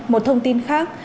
một thông tin khác